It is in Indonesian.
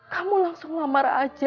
kamu langsung berjaga jaga